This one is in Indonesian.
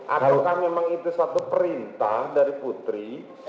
apakah memang itu satu perintah dari putri